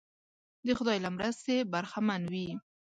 د خدای له مرستې برخمن وي.